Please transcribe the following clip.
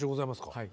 はい。